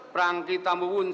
perangki tamu bun sarjana